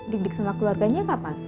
dikdik sama keluarganya kapan